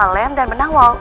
lem dan benang wall